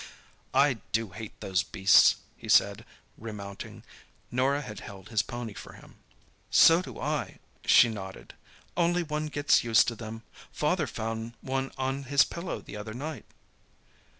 "I do hate those beasts!" he said, remounting. Norah had held his pony for him. "So do I," she nodded; "only one gets used to them. Father found one on his pillow the other night."